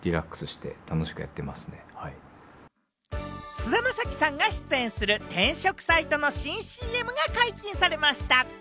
菅田将暉さんが出演する転職サイトの新ＣＭが解禁されました。